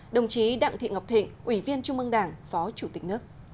đồng chí đặng thị ngọc thịnh ủy viên trung mương đảng phó chủ tịch nước